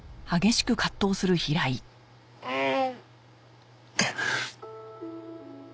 うん。